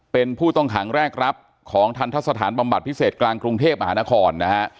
เป็นผู้ต้องขังแรกรับของทันทะสถานบำบัดพิเศษกลางกรุงเทพมหานครนะฮะ